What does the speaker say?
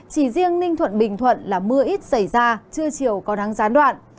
chỉ riêng ninh thuận bình thuận là mưa ít xảy ra trưa chiều có nắng gián đoạn